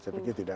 saya pikir tidak